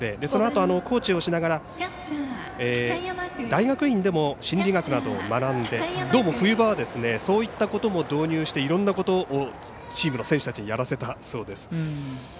そのあとコーチをしながら大学院でも心理学などを学んでどうも冬場はそういったことも導入していろんなことをチームの選手たちにやらせたそうです。